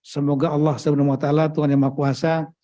semoga allah swt tuhan yang maha kuasa